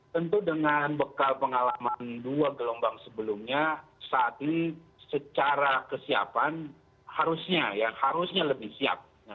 tentu dengan bekal pengalaman dua gelombang sebelumnya saat ini secara kesiapan harusnya ya harusnya lebih siap